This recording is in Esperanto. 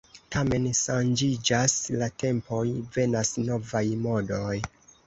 Tamen ŝanĝiĝas la tempoj, venas novaj modoj.